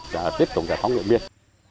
và tiếp tục giải phóng người biên